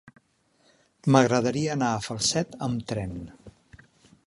M'agradaria anar a Falset amb tren.